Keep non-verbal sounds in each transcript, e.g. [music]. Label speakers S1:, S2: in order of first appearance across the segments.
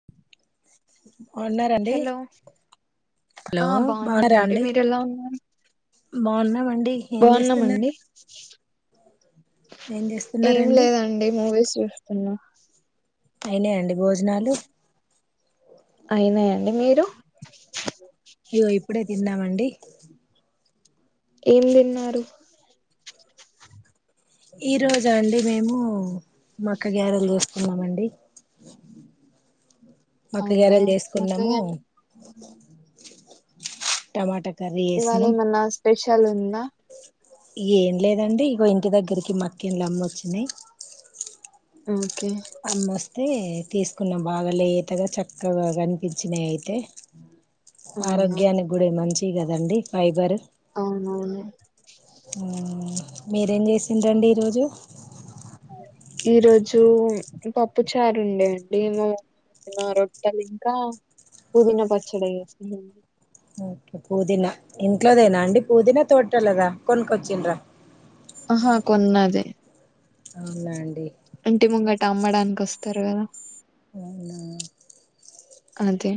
S1: [inaudible]
S2: Hello
S1: hello
S2: ఆ
S1: బాగున్నారా
S2: బాగున్నామండి
S1: అండి
S2: మీరు ఎలా ఉన్నారు
S1: బాగున్నామండి ఏం చేస్తున్నారు
S2: బాగున్నామండి
S1: ఏం
S2: ఏం
S1: చేస్తున్నారండి
S2: లేదండి మూవీస్ చూస్తున్నా
S1: అయినాయ అండి భోజనాలు
S2: అయినాయండి మీరు
S1: అయ్యో ఇప్పుడే తిన్నామండి
S2: ఏం తిన్నారు
S1: ఈ రోజా అండి మేము మక్క గారెలు చేసుకున్నామండి. మక్క
S2: అవునా
S1: గారెలు
S2: మాకు
S1: చేసుకున్నాము టమాట కర్రీ
S2: ఇవాళ
S1: వేసినం
S2: ఏమన్నా స్పెషల్ ఉంది బ
S1: ఏం లేదండి ఇకో ఇంటి దగ్గరికి మక్కంలు అమ్మ వచ్చింది
S2: ఆ
S1: మస్త్ అయితే తీసుకున్న బాగా లేతగా చక్కగా కనిపించినాయి అయితే
S2: అవునా
S1: ఆరోగ్యానికి కూడా మంచి కదండి ఫైబర్
S2: అవునవును
S1: మీరేం చేసిండ్రి అండి ఈరోజు
S2: ఈరోజు పప్పు చారు ఉండేయండి మేము రొట్టలు ఇంకా పుదీనా పచ్చడి వేస్తు
S1: ఓకే పుదీనా ఇంట్లోదేనా అండి పుదీనా తోట్టాలదా కొనుకొచ్చండ్రా
S2: ఆహా కొన్నది
S1: అవునా అండి
S2: అంటే ముంగటి అమ్మడానికి వస్తారు కదా
S1: అవునా
S2: అదే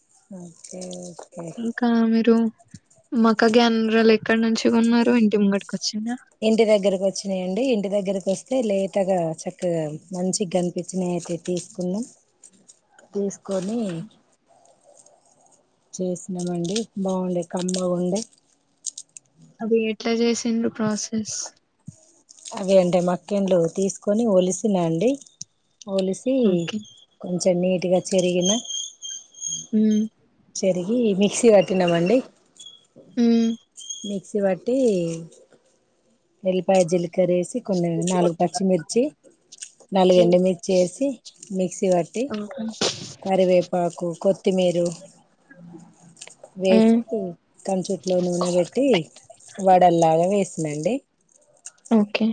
S1: ఓకే ఓకే
S2: ఇంకా మీరు మక్క గన్రాలు ఎక్కడ నుంచి కొన్నారు ఇంటి ముంగడికి
S1: ఇంటి దగ్గరకు వచ్చినాయండి ఇంటి దగ్గర వస్తే లేత గ చక్కగా మంచిగా కనిపించిన అయితే తీసుకున్నాం. తీసుకొని చేసినామ అండి బాగుండే కమ్మగుండే.
S2: అది ఎట్లా చేసిండ్రు ప్రాసెస్
S1: అదే అంటే మక్కెన్లు తీసుకొని ఒలిసినండి ఒలిసి కొ
S2: ఓకే
S1: కొంచ నీట్గా చెరిగిన
S2: మ్మ్
S1: జరిగి ఈ మిక్సీ కట్టినామండి మ్మ్
S2: ఉమ్
S1: మిక్సీ బట్టి ఉల్లిపాయ జిలిక్ కక్కర వేసి కొన్ని నాలుగు పచ్చిమిర్చి నాలుగు
S2: ఉమ్,
S1: ఎండుమిర్చి వేసి మిక్సీ కట్టి
S2: ఓకే
S1: కరివేపాకు కోత్ త్తిమీరి వేస్
S2: ఉమ్
S1: క చట్ లో నుూన బెట్ వడల్లాలే ఎస్నండి
S2: ఓకే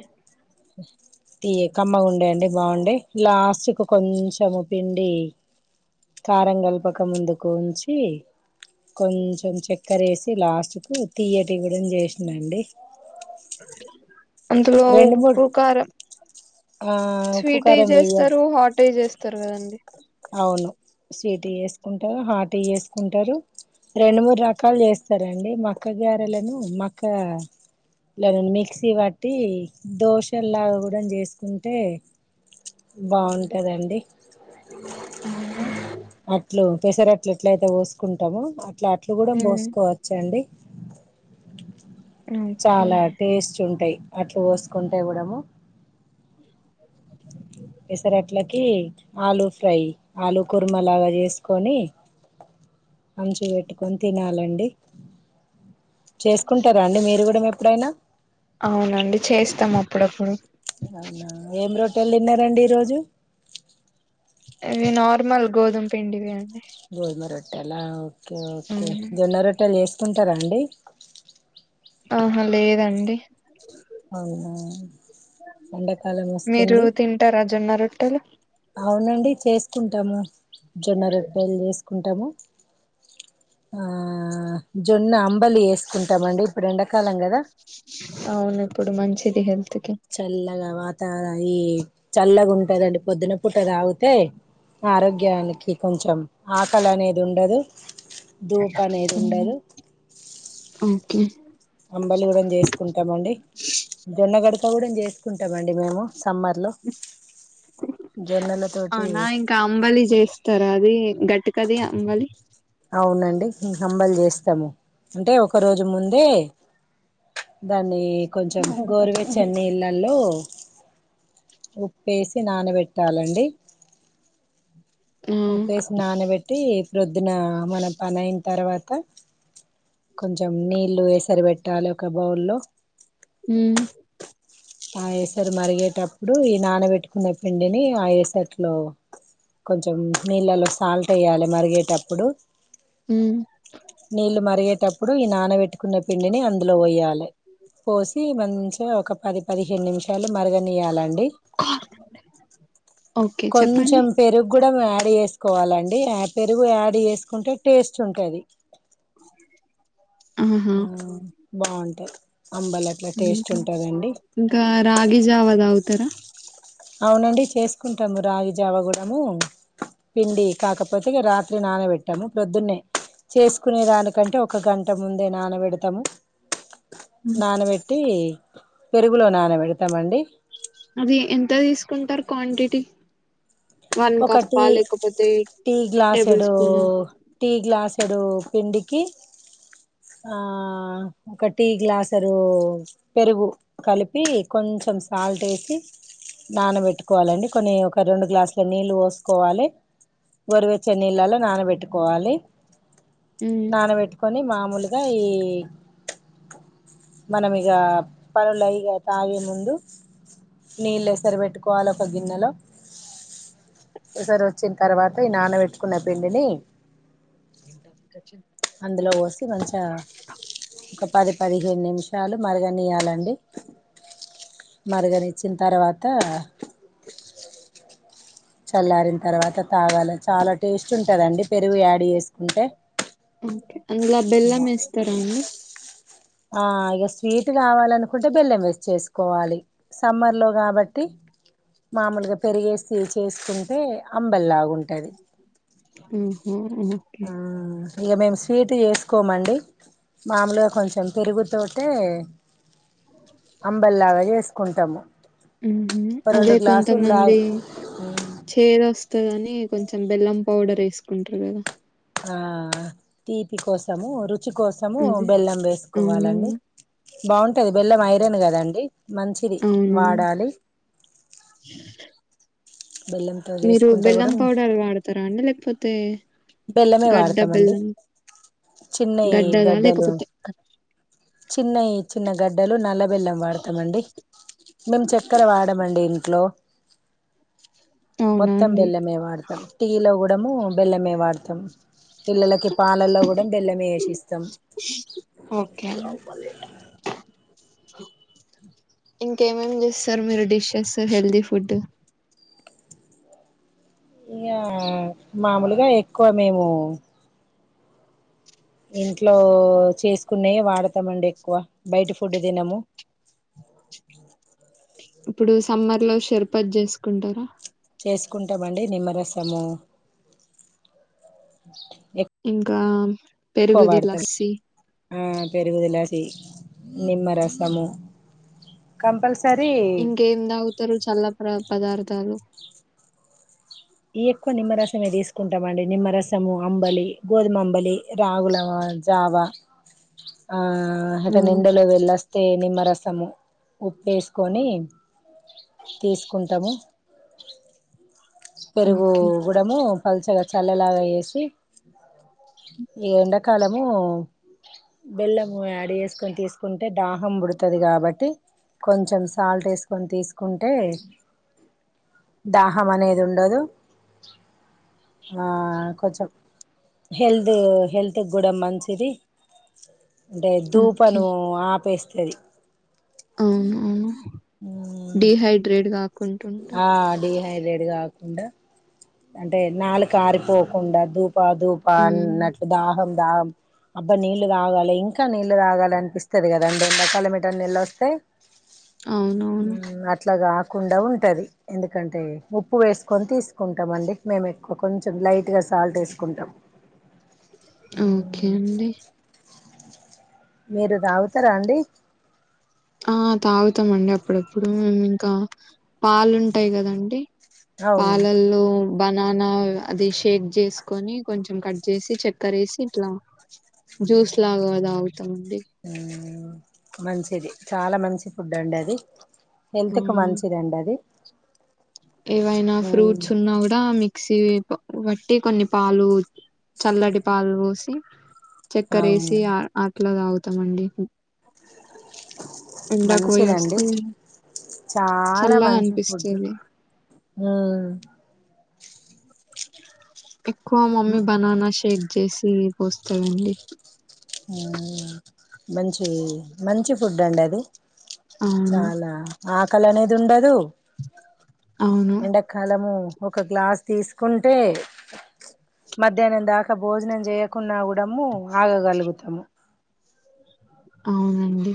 S1: తీయ కమ్మగుండె అండి బాగుండే లాస్ట్ కు కొంచెము పిండి కారం కలపక ముందుకు ఉంచి కొంచెం చక్కర వేసి లాస్ట్ కు తీయటివ్వడం చేసినండి
S2: అందులో
S1: రెండు మూడు
S2: ఉప్పు కారం
S1: ఆ ఉప్పు
S2: స్వీట్ అయి
S1: కారం వేయ
S2: చేస్తారు హాట్ అయి చేస్తారు కదండి
S1: అవును స్వీట్ వేసుకుంటారు హాట్ వేసుకుంటారు రెండు మూడు రకాలు చేస్తారండి మక్క గారెలను మక్కలను మిక్సీ పట్టి దోశలాగా కూడా చేసుకుంటే బాగుంటదండి
S2: అవును
S1: పెసర్ అట్లా ఎట్ల అయితే పోసుకుంటాముో అట్లా అట్లు కూడా
S2: ఉమ్
S1: పోసుకోవచ్చ అండి
S2: ఓకే
S1: చాలా టేస్ట్ ఉంటాయి అట్లు పోసుకుంటే ఇవడము పెసరట్లాన్ కి ఆలుూ ఫ్రై ఆలు కుర్మలాగా చేసుకొని అంచి వేట్ కొన్ తినా హలో అండి చేసుకుంటారా అండి మీరు కూడా మీర్ ప్పుడైనా
S2: అవునండి చేస్తాం అప్పుడప్పుడు
S1: అవునా ఏం రోట్టలు తిన్నారండి ఈరోజు పజ
S2: ఇవి నార్మల్ గోధుమ పిండివి అండి
S1: గోయ మరాఠ ట్టలా ఓకే ఓకే
S2: అవును
S1: జోన్నరొట్టెలు చేస్ చెత్తుంటూరా అండి
S2: ఆహా లేదండి
S1: అవునా ఎండాకాలం
S2: మీరు
S1: వస్తుంది
S2: తింటారా జొన్న రొట్టెలు
S1: అవునండి చేసుకున్ టాము జొన్న రొట్టెలు చేసుకుంటాము ఆ జొన్న అంబలి వేసుకుంటామ్ అండి ఇప్పుడు ఎండాకాలం గదా
S2: అవును తుడు మంచిది హెల్త్ కి
S1: చల్లగా వాత్ తార ఈ చల్లగా ఉంటదండి పొద్దున పుట తాగితే ఆరోగ్యానికి కొంచెం ఆకలి అనేది ఉండదు ధూప అనేది ఉండదు
S2: ఉ
S1: అంబలి గూడం చేసుకుంటామండి జొన్నగడక కూడా జేస్ ఉంటామండి మేము సమ్మర్ లో జొన్నల తోటి
S2: అవునా గట్టు కది అంబలి
S1: అవునండి ఇంకా అంబలి చేస్తాము అంటే ఒక రోజు ముందే దాన్ని
S2: ఆ
S1: కొంచెం గోరువెచ్చని నీళ్లలో ఉప్పేసి నానబెట్టాలండి
S2: ఉమ్
S1: ఉప్పేసి నానబెట్టి ప్రొద్దున మన పని అయిన తర్వాత కొంచెం నీళ్ళు ఎసెర్ వెట్ టాలి ఒక బౌల్ లో ఆ ఏసర్ మరిగే టప్పుడు ఈ నానబెట్టుకున్న పిండిని ఆ ఏసట్లో కొంచం టెమ్ నీళ్ళలో సాల్ట్ ఎయ్యాలి మరిగేటప్పుడు
S2: ఉమ్
S1: నీళ్లు మరిగేటప్పు ఇప్పుడు ఈ నానవెట్టుకున్న పిండిని అందులో వోయ్యాలే పోసి వత్ ఉంచే ఒక పది పదిహేను నిమిషాలు మరగనియ్యాలండి
S2: ఓకే
S1: కొంచెం
S2: చెప్పండి
S1: పెరుగు కూడం యాడ్ చేసుకోవాలండి ఆ పెరుగు యాడ్ చేసుకుంటే టేస్ట్ ఉంటది ఓ బాగుంటది అంబలి అట్లా
S2: ఉ
S1: టేస్ట్ ఉంటదండి
S2: ఇంకా రాగి జావ దవుతు ఇతర
S1: అవునండి చేసుకుంటాము రాగి జావ గుడము పిండి కాకపోతే రాత్రి నానవెట్టాము ప్రొద్దున్నే చేసుకునే దానికంటే ఒక గంట ముందే నానబెడతాము నానవెట్టి పెరుగులో నాన పెడతామండి
S2: అది ఎంత దీసు కుంటారు క్వాంటిటీ వన్
S1: ఒక టీ
S2: కప్పా లేకపోతే
S1: టీ
S2: టేబుల్
S1: గ్లాసెడు
S2: స్పూనా
S1: టీ గ్లాసుడు పిండికి ఆ ఒక టీ గ్లాసరు పెరుగు కలిపి కొంచెం సాల్ట్ వేసి నానబెట్టుకోవాలండి కొన్ని ఒక రెండు గ్లాస్ నీళ్ళు పోసుకోవాలి వరివేచ్చే నీళ్ళలో నానబెట్టుకోవాలి.
S2: ఉమ్
S1: నానబెట్టుకొని మామూలుగా ఈ మనం ఇగ పనులు లై తాగే ముందు నీళ్ళ ఎసరి వెట్టుకోవాలి ఒక గిన్నెలో. ఈసారి వచ్చిన తర్వాత ఈ నాన వెట్టుకున్న పిండిని
S2: ఏం టాఫిక్ వచ్చిన్
S1: అందులో పోసి మంచిగా ఒక పది పదిహేను నిమిషాలు మరగా నియ్యాలండి మరుగ నిచ్చిన తర్వా త చల్లారిన తర్వాత తాగాల చాలా టేస్ట్ ఉంటదండి పెరుగు యాడ్ చేస్
S2: ఓకే అందులో బెల్లం వేస్తరా అండి
S1: ఆ ఇగ స్వీట్ కావాలనుకుంటే బెల్లం వేస్ చేసుకోవాలి సమ్మర్ లో కాబట్టి మామూలుగా పెరిగేసి చేసుకుంటే అంబల్లా ఉంటది
S2: ఓహో ఓకే
S1: మ్మ్ ఇగ మేము తీటు చేసుకోమండి మామలుగా కొంచెం పెరుగుతోటే అంబల్లాగ జేసు కొంటము
S2: మ్మ్ హ్మ్ అదే కొంతమంది
S1: తాగి
S2: చేదు వస్తదని కొంచెం బెల్లం పౌడర్ వేసుకుంటరు గదా
S1: ఆ తీపి కోసము రు చి కోసము
S2: అదే
S1: బెల్లం వేసుకోవాలండి
S2: అవునవును
S1: బాగుంటది బెల్లం ఐరను కదండి మంచిది
S2: అవునవును
S1: వాడాలి బెల్లంతో
S2: మీరు
S1: చేసుకుంటే కూడా
S2: బెల్లం పౌడర్ వాడతారా అండి లేకపో తే
S1: బెల్లమే వాడతామండి చిన్నయి
S2: గడ్డదా
S1: గడ్డలు
S2: లేకపోతే
S1: చిన్నయి చి న్న గడ్డలు నల్ల వెల్లం వాడతామండి మేము చెక్కెర వాడమండి ఇంట్లో
S2: అవునా
S1: మొత్తం
S2: అండి
S1: బెల్లమే వాడతాం టీలో కూ డ ము బెల్లమే వాడ్ తం పిల్లలకి పాలల్లో కూడా బెల్లం ఏసిస్తాం.
S2: ఓకే అండి ఇంకేమేమి చేస్తారు. మీరు డిషేస్ హెల్దీ ఫుడ్
S1: ఇగా మామూలుగా ఎక్కువ మేము ఇంట్లో చేసుకునే వాడతామండి. ఎక్కువ బయట ఫుడ్ తినము
S2: ఇప్పుడు సమ్మర్ లో షర్పతి చేసుకుంటారా
S1: చేసుకుంటామండీ నిమ్మరసము. ఎ
S2: కా
S1: పోవాడతం ఆ పెరుగు ది లాస్సి సి నిమ్మరసము కంపసర్
S2: ఇంకేం తాగుతారు చల్ల ప్ర్రా పదార్థాలు
S1: ఎక్కువ నిమ్మ రసమే తీసు కుంటామండి నిమ్మరసము అంబలి గోధుమ అంబలి రాగుల జావ ఆ
S2: ఆ
S1: ఎటైనా ఎండలో వెల్ అస్తే నిమ్ రస్ సము ఉప్పే సుకొని తీసుకుంటాము పెరుగు
S2: ఓకే
S1: కూడాము పలుసగా చల్లెలాగా చేసి ఇ ఏండా కాలం ము బెల్లాం యాడ్ చేసు తీసుకుంటే దాహం పుడుతది. కాబట్టి కొంచెం సాల్ట్ ఏసుకొని తీసుకుంటే దాహం అనేది ఉండదు. ఆ కొంచెం హెల్దీ హెల్త్ తే గూడ మంచిది సరే అంటే
S2: ఓకే
S1: ధూపను ఆపేస్త స్తది
S2: అవును అవును డిహైడ్రేట్ గకుం
S1: ఆ డీహైడ్రేట్ డీహైడ్రేట్ కాకుండా అంటే నాలుక ఆరిపోకుండా దూప్ ప దుపా
S2: ఉమ్
S1: నట్లు దాహం అబ్బా నీళ్లు తగాలి. ఇంకా నీళ్ళలు తగాలి అనిపిస్తది. గాదాండి ఎండాకాలం ఏటన్నా వెళ్ళివోస్తే
S2: అవునవును
S1: అట్లగా కుండా ఉంటది ఎందుకంటే ఉప్పు వేసుకొని తీసుకుంట ఉంటమండి మేము ఎక్కువ కొంచెం లైట్గా సాల్ట్ వేసుకుంటాం
S2: ఉమ్ ఓకే అండి
S1: మీరు తాగుతరా అండి
S2: ఆ తాగుతామండి అప్పుడప్పుడు మేము ఇంకా పాలుంటయి కదండి
S1: అవును
S2: పాలల్లో బనాన అది షేక్ చేసుకొని కొంచెం కట్ చేసి చెక్కర వేసి ఇట్లా జ్యూస్ లాగాదావు
S1: ఆ మంచిది చాల మంచి ఫుడ్ అండి అది హెల్త్ కు
S2: మ్మ్.
S1: మంచిదండి అది
S2: ఏవైనా
S1: మ్మ్
S2: ఫ్రూట్స్ ఉన్నా కూడా మిక్స్ టీ బ బట్టి కొన్ని పాలు చల్లటి పాలు పోసి చక్కెర
S1: అవును
S2: వేసి అ అట్లా తాగుతంది తమండి ఎండా కోయి
S1: మంచిదండి
S2: వస్తే చల్లగా అనిపిస్తుంది
S1: ఆ
S2: ఎక్కువ
S1: మ్మ్
S2: మమ్మీ బనాన శేక్ చేసి పోస్తావండి
S1: అ మంచిది మంచి ఫుడ్ అండి అది
S2: అవును
S1: చాలా ఆ అలనే ఉండదు
S2: అవును
S1: ఎండకాలము ఒక గ్లాస్ తీసుకుంటే మధ్యాహ్నం దాకా భోజనం చేయకున్నా అర్దము ఆగ గలిగితె తమ
S2: అవునండి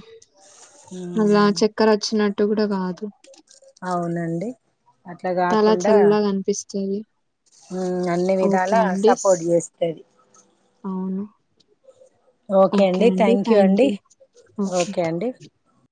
S2: ఇగా
S1: ఉమ్
S2: చక్కర వచ్చినట్టు కూడా కాదు టిట్
S1: అవునండి అట్లా
S2: తల చల్లగా అనిపిస్తుంది చెయిను
S1: ఊమ్ అన్ని విధాల సపోర్ట్
S2: స్-
S1: చేస్తది
S2: అవును.
S1: ఓకే అండి థ్యాంక్ యూ అండి ఓకే అండి